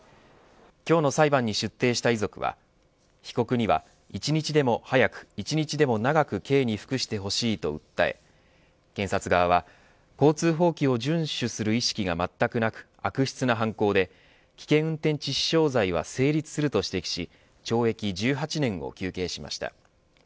今日の裁判に出廷した遺族は被告人は１日でも早く１日でも長く刑に服してほしいと訴え検察側は、交通法規を順守する意識がまったくなく悪質な犯行で危険運転致死傷罪は成立すると指摘し懲役１８年を求刑しました。